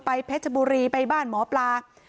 เพชรบุรีไปบ้านหมอปลา